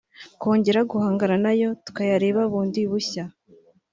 kongera guhangana na yo tukayareba bundi bushya